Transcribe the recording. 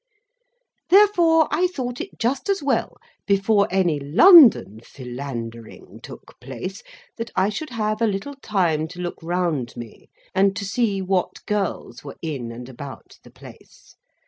Therefore, I thought it just as well, before any London Philandering took place, that I should have a little time to look round me, and to see what girls were in and about the place.